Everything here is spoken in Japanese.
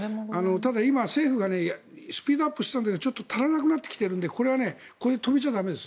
ただ、今、政府がスピードアップしていたので足りなくなってきているのでこれは止めちゃ駄目です。